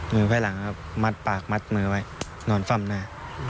มือไพ่หลังมัดปากมัดมือไว้หนอนฟัมหน้า